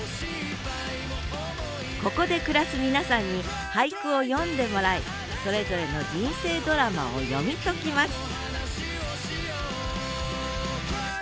ここで暮らす皆さんに俳句を詠んでもらいそれぞれの人生ドラマを読み解きます